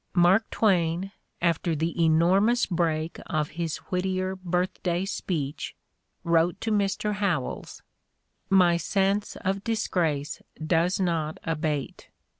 Mark Twain, after the enormous break of his Whittier Birthday speech, wrote to Mr. Howells: "My sense of disgrace does not abate.